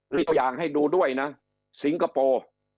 มีตัวอย่างให้ดูด้วยนะสิงคโปร์